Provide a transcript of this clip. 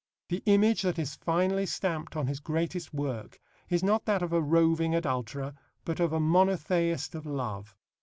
The image that is finally stamped on his greatest work is not that of a roving adulterer, but of a monotheist of love.